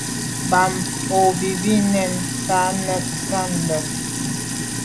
Bàm o bo bi bi nèn nta ntàne.